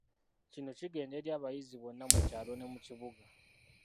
Kino kigenda eri abayizi bonna mukyalo ne mu kibuga.